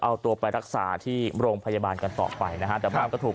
เอาตัวไปรักษาที่โรงพยาบาลกันต่อไปนะฮะแต่บ้านก็ถูก